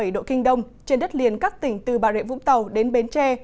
một trăm linh sáu bảy độ kinh đông trên đất liền các tỉnh từ bà rệ vũng tàu đến bến tre